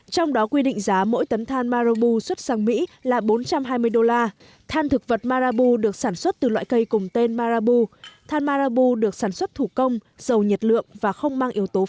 trong đó quy định giá mỗi tấn than marabu xuất sang mỹ